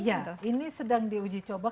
iya ini sedang diuji coba